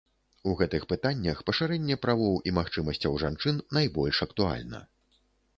У гэтых пытаннях пашырэнне правоў і магчымасцяў жанчын найбольш актуальна.